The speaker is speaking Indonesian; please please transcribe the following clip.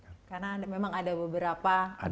karena memang ada beberapa jalur